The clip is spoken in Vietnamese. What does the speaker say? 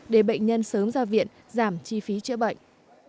để bệnh nhân sớm ra viện giảm chi phí chữa bệnh